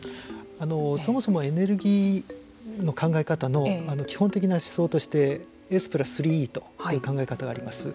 そもそもエネルギーの考え方の基本的な思想として「Ｓ＋３Ｅ」という考え方があります。